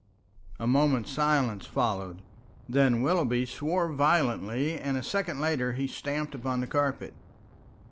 A moment's silence followed, then Willoughby swore violently, and a second later he stamped upon the carpet.